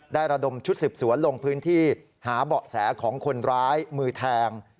ระดมชุดสืบสวนลงพื้นที่หาเบาะแสของคนร้ายมือแทง